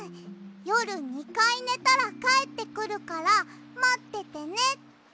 よる２かいねたらかえってくるからまっててねって。